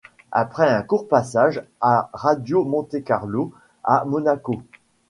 Après un court passage à Radio Monte-Carlo à Monaco.